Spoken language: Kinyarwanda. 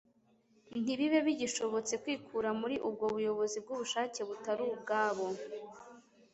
ntibibe bigishobotse kwikura muri ubwo buyobozi bw'ubushake butari ubwabo.